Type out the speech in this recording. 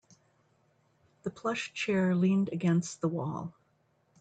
The plush chair leaned against the wall.